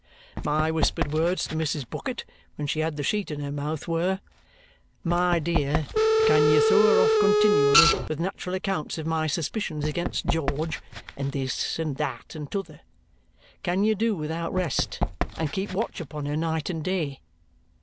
My whispered words to Mrs. Bucket when she had the sheet in her mouth were, 'My dear, can you throw her off continually with natural accounts of my suspicions against George, and this, and that, and t'other? Can you do without rest and keep watch upon her night and day?